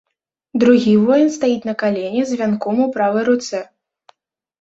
Другі воін стаіць на калене з вянком у правай руцэ.